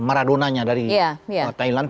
maradonanya dari thailand